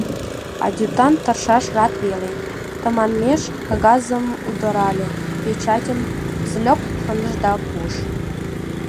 Адъютант тыршаш рат веле, тыманмеш кагазым удырале, печатьым пзльоп шындыш да пуыш.